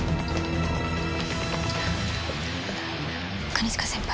兼近先輩。